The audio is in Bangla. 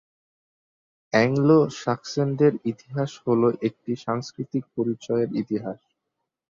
অ্যাংলো-স্যাক্সনদের ইতিহাস হল একটি সাংস্কৃতিক পরিচয়ের ইতিহাস।